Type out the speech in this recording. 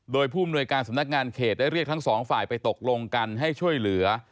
โดยผู้มนวยการสำนักงานเขตได้เรียกทั้งสองฝ่ายไปตกลงกันให้ช่วยเหลือ